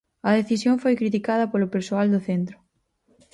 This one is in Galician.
A decisión foi criticada polo persoal do centro.